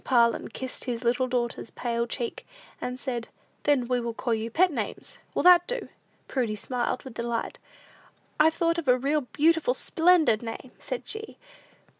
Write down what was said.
Parlin kissed his little daughters's pale cheek, and said, "Then we will call you pet names; will that do?" Prudy smiled with delight. "I've thought of a real beautiful, splendid name," said she.